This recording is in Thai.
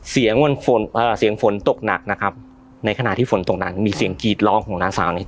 เสียงวันฝนอ่าเสียงฝนตกหนักนะครับในขณะที่ฝนตกหนักมีเสียงกีดร้องของน้าสาวเนี้ย